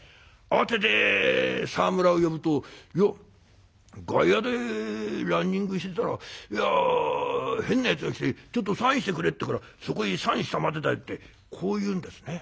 慌てて沢村を呼ぶと「いや外野でランニングしてたら変なやつが来てちょっとサインしてくれって言うからそこへサインしたまでだ」ってこう言うんですね。